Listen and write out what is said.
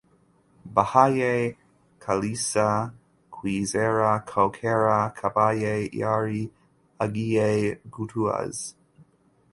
byahaye Kalisa kwizera ko kera kabaye yari agiye gutuza.